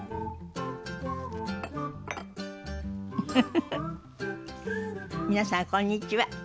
フフフフ皆さんこんにちは。